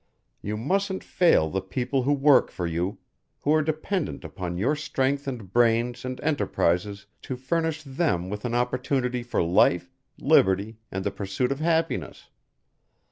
You mustn't fail the people who work for you who are dependent upon your strength and brains and enterprises to furnish them with an opportunity for life, liberty, and the pursuit of happiness.